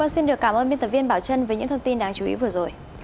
xin được cảm ơn biên tập viên bảo trân với những thông tin đáng chú ý vừa rồi